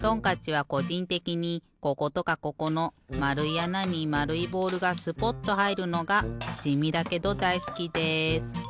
はこじんてきにこことかここのまるいあなにまるいボールがスポッとはいるのがじみだけどだいすきです。